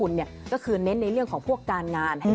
อย่างแรกเลยก็คือการทำบุญเกี่ยวกับเรื่องของพวกการเงินโชคลาภ